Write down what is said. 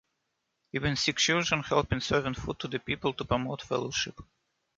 Even Sikh children help in serving food to the people to promote fellowship.